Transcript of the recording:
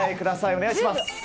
お願いします。